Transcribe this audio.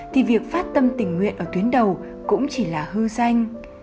thì việc phát tâm tình nguyện ở tuyến đầu cũng chỉ là hư danh